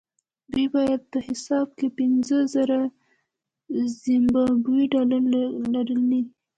دوی باید په حساب کې پنځه زره زیمبابويي ډالر لرلای.